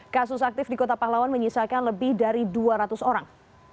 kasus aktif di kota pahlawan menyisakan lebih dari dua ratus orang